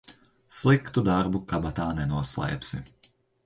Sliktu darbu kabatā nenoslēpsi.